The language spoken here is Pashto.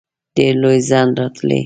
ډېر لوی ځنډ راتلی.